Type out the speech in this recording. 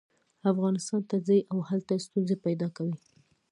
افغانستان ته ځي او هلته ستونزې پیدا کوي.